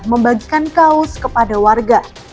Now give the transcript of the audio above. membagikan kaos kepada warga